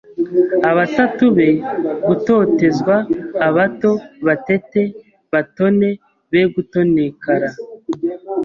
Abatatu be gutotezwa Abato batete batone be gutonekara